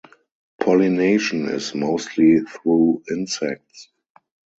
Pollination is mostly through insects.